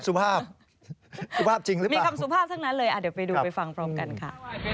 สุภาพสุภาพจริงหรือเปล่ามีคำสุภาพทั้งนั้นเลยอ่ะเดี๋ยวไปดูไปฟังพร้อมกันค่ะ